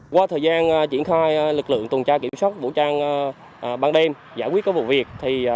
qua thời gian triển khai lực lượng tuần tra kiểm soát vũ trang ban đêm giải quyết các vụ việc